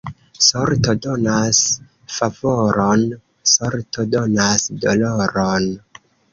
Sorto donas favoron, sorto donas doloron.